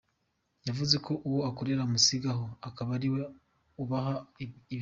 Yavuze ko uwo akorera amusiga aho, akaba ariwe ubaha izakozwe.